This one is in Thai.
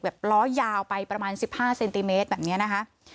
ล้อยาวไปประมาณ๑๕เซนติเมตรแบบนี้นะคะ